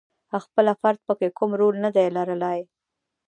خپله فرد پکې کوم رول ندی لرلای.